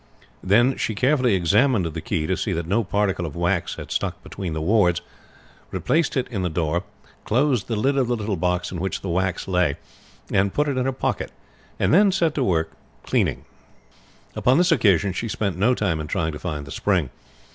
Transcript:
Then she carefully examined the key to see that no particle of wax had stuck between the wards, replaced it in the door, closed the lid of the little box in which the wax lay, and put it in her pocket, and then set to at her work of cleaning. Upon this occasion she spent no time in trying to find the spring.